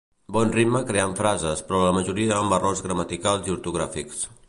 Bon ritme creant frases però la majoria amb errors gramaticals i ortogràfics